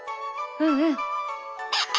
うんうん。